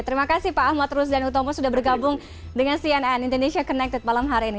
terima kasih pak ahmad rusdan utomo sudah bergabung dengan cnn indonesia connected malam hari ini